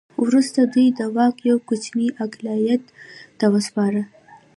وروسته دوی دا واک یو کوچني اقلیت ته وسپاره.